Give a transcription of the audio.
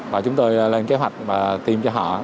và chúng tôi lên kế hoạch tiêm cho họ